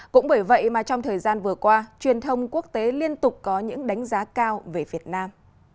cũng bởi vậy mà trong thời gian vừa qua truyền thông quốc tế liên tục có những đánh giá cao về việt nam